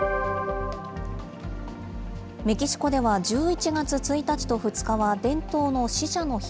メキシコでは、１１月１日と２日は伝統の死者の日。